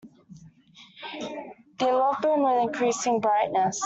Their love burned with increasing brightness.